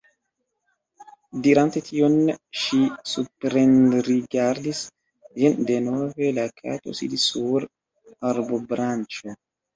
Dirante tion, ŝi suprenrigardis. Jen denove la Kato sidis sur arbobranĉo.